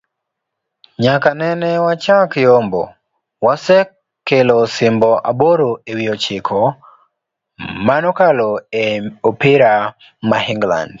nyaka nene wachak yombo, wasekelo osimbo aboro ewi ochiko manokalo ei opira ma England